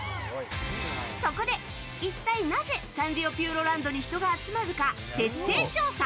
そこで、一体なぜサンリオピューロランドに人が集まるか徹底調査。